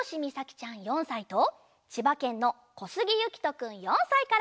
ちゃん４さいとちばけんのこすぎゆきとくん４さいから。